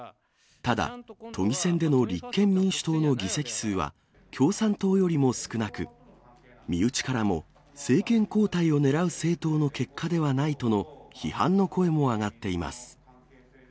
ただ、都議選での立憲民主党の議席数は、共産党よりも少なく、身内からも、政権交代を狙う政党の結果ではないとの批判の声も上がっています。